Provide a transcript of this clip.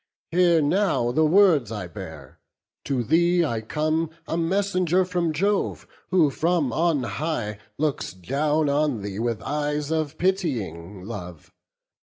Hear now the words I bear: to thee I come A messenger from Jove, who from on high Looks down on thee with eyes of pitying love.